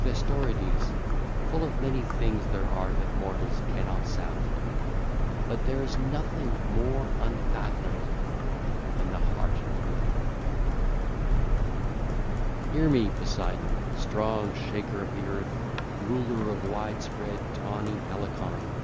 V. (2 lines) (ll. 1 2) Thestorides, full many things there are that mortals cannot sound; but there is nothing more unfathomable than the heart of man. VI. (8 lines) (ll. 1 8) Hear me, Poseidon, strong shaker of the earth, ruler of wide spread, tawny Helicon!